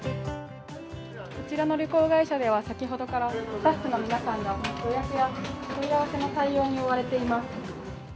こちらの旅行会社では、先ほどからスタッフの皆さんが予約や問い合わせの対応に追われています。